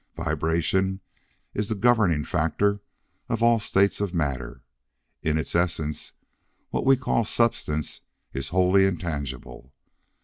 Vibration is the governing factor of all states of matter. In its essence what we call substance is wholly intangible.